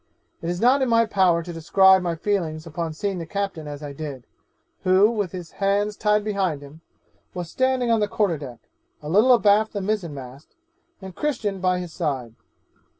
It is not in my power to describe my feelings upon seeing the captain as I did, who, with his hands tied behind him, was standing on the quarter deck, a little abaft the mizen mast, and Christian by his side.